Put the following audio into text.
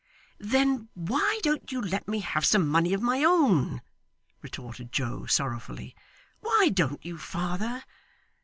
'Then why don't you let me have some money of my own?' retorted Joe, sorrowfully; 'why don't you, father?